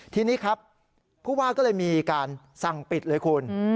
ทีนี้ครับผู้ว่าก็เลยมีการสั่งปิดเลยคุณ